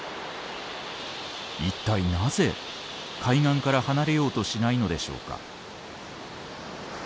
一体なぜ海岸から離れようとしないのでしょうか。